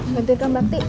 gantiin ke mbak ti